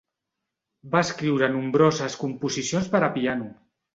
Va escriure nombroses composicions per a piano.